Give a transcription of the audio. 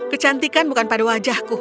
kecantikan bukan pada wajahku